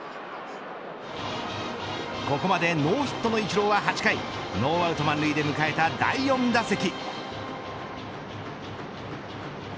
ここまでノーヒットのイチローは８回ノーアウト満塁で迎えた第４打席。